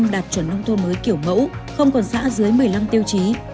năm đạt chuẩn nông thôn mới kiểu mẫu không còn xã dưới một mươi năm tiêu chí